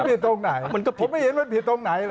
ผิดตรงไหนมันก็ผมไม่เห็นมันผิดตรงไหน